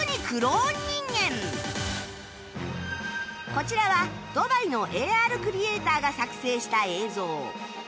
こちらはドバイの ＡＲ クリエイターが作成した映像